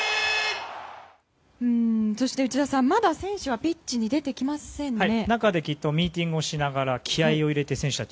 そして内田さん、まだ選手はピッチに出てきませんね。